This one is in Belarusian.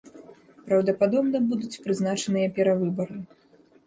Праўдападобна, будуць прызначаныя перавыбары.